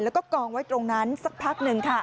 แล้วก็กองไว้ตรงนั้นสักพักหนึ่งค่ะ